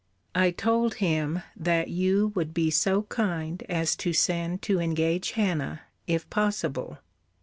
I told him, that you would be so kind as to send to engage Hannah, if possible.